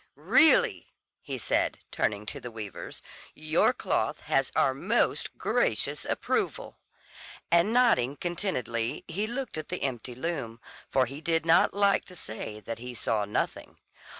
"Really," he said, turning to the weavers, "your cloth has our most gracious approval;" and nodding contentedly he looked at the empty loom, for he did not like to say that he saw nothing.